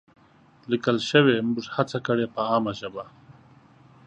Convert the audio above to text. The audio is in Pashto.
لیکل شوې، موږ هڅه کړې په عامه ژبه